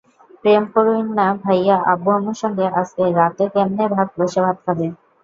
প্রেম করুইন্না ভাইয়া আব্বু-আম্মুর সঙ্গে আজকে রাতে কেমনে বসে ভাত খাবে।